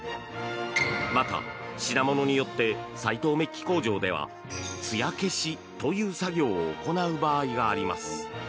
また品物によって斎藤鍍金工場ではつや消しという作業を行う場合があります。